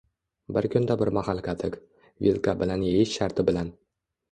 Bir kunda bir mahal qatiq. Vilka bilan yeyish sharti bilan...